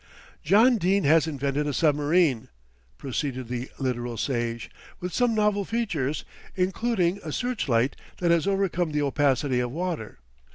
"John Dene has invented a submarine," proceeded the literal Sage, "with some novel features, including a searchlight that has overcome the opacity of water.